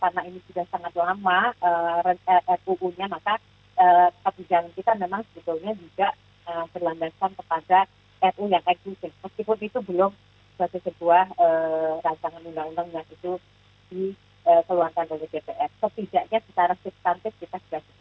kita sudah cukup siap